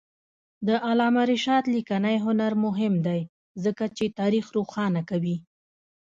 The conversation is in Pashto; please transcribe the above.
د علامه رشاد لیکنی هنر مهم دی ځکه چې تاریخ روښانه کوي.